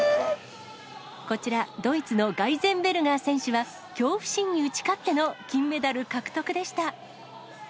こちら、ドイツのガイゼンベルガー選手は、恐怖心に打ち勝っての金メダル獲得でした。